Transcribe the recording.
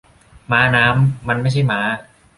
ม้าน้ำ มันไม่ใช่ม้า